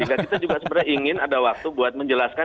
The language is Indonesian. sehingga kita juga ingin ada waktu untuk menjelaskan